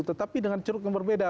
tetapi dengan ceruk yang berbeda